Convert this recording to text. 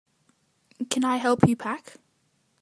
Can I help you pack?